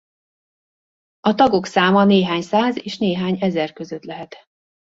A tagok száma néhány száz és néhány ezer között lehet.